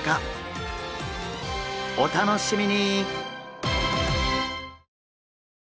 お楽しみに！